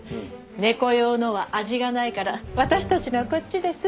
猫用のは味がないから私たちのはこっちです。